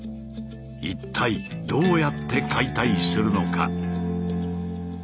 一体どうやって解体するのか？